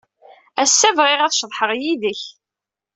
Ass-a, bɣiɣ ad ceḍḥeɣ yid-k.